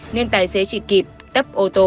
nên tài xế chỉ kịp tấp ô tô